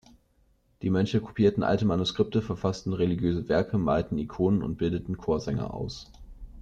Die Mönche kopierten alte Manuskripte, verfassten religiöse Werke, malten Ikonen und bildeten Chorsänger aus.